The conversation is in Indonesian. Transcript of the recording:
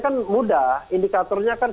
kan mudah indikatornya kan